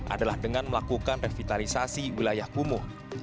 adalah dengan melakukan revitalisasi wilayah kumuh